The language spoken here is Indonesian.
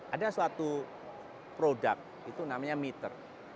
ada suatu produk itu namanya meter